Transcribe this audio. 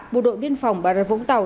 bộ đội biên phòng bà rợi vũng tàu